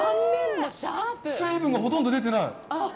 水分がほとんど出てない！